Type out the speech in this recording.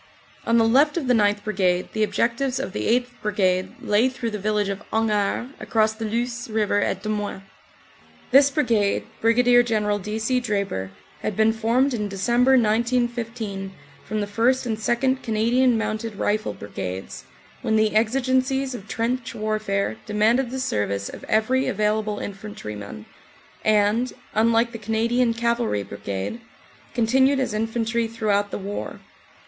On the left of the 9th. Brigade the objectives of the 8th. Brigade lay through the village of Hangard across the Luce river at Demuin. This brigade, Brig. General D. C. Draper, had been formed in Dec., 1915, from the 1st. and 2nd. Cana dian Mounted Rifle Brigades, when the exigencies of trench warfare demanded the service of every available infantryman, and, unlike the Canadian Cavalry Brigade, continued as infantry throughout the war.